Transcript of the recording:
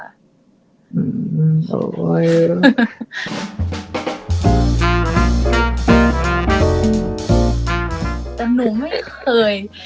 แต่หนูไม่เคย